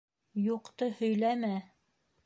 Юҡты һөйләмә!